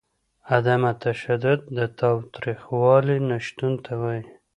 عدم تشدد د تاوتریخوالي نشتون ته وايي.